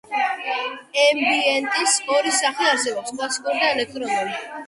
ემბიენტის ორი სახე არსებობს: კლასიკური და ელექტრონული.